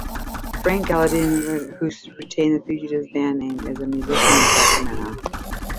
Frank Gallindo Loscutoff, who retained The Fugitives band name, is a musician in Sacramento.